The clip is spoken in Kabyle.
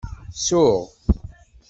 Suɣ.